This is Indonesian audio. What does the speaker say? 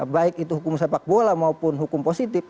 baik itu hukum sepak bola maupun hukum positif